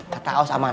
kata os aman